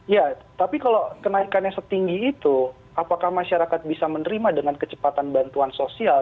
ya tapi kalau kenaikannya setinggi itu apakah masyarakat bisa menerima dengan kecepatan bantuan sosial